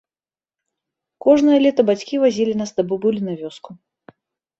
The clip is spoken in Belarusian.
Кожнае лета бацькі вазілі нас да бабулі на вёску.